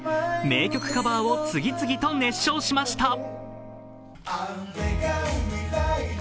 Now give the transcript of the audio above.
名曲カバーを次々と熱唱しました。